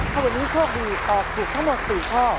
ถ้าวันนี้โชคดีตอบถูกทั้งหมด๔ข้อ